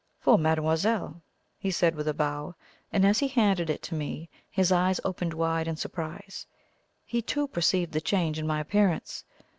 "For mademoiselle," he said with a bow; and as he handed it to me, his eyes opened wide in surprise. He, too, perceived the change in my appearance.